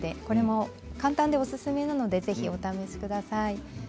これも簡単でおすすめなのでぜひお試し下さい。